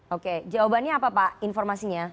oke jawabannya apa pak informasinya